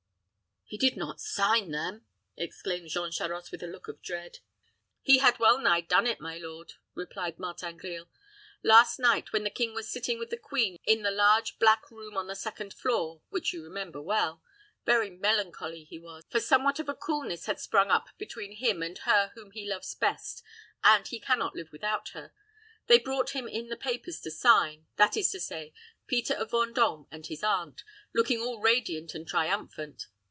"He did not sign them!" exclaimed Jean Charost, with a look of dread. "He had well nigh done it, my lord," replied Martin Grille. "Last night, when the king was sitting with the queen in the large black room on the second floor, which you remember well very melancholy he was, for somewhat of a coolness had sprung up between him and her whom he loves best, and he can not live without her they brought him in the papers to sign, that is to say, Peter of Vendôme and his aunt, looking all radiant and triumphant.